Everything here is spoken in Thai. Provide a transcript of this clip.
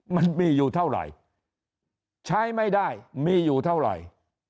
มันมีอยู่เท่าไหร่ใช้ไม่ได้มีอยู่เท่าไหร่